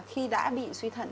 khi đã bị truy thật